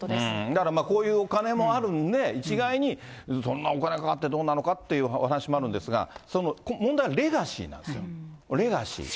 だからまあ、こういうお金もあるんで、一概に、そんなお金かかってどうなのかっていうお話もあるんですが、問題はレガシーなんですよ。このレガシー。